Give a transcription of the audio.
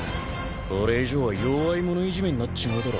これ以上は弱い者いじめになっちまうだろ。